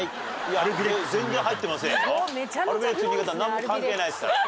なんも関係ないですから。